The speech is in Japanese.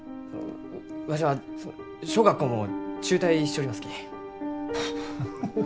わしは小学校も中退しちょりますき。